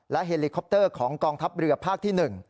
เฮลิคอปเตอร์ของกองทัพเรือภาคที่๑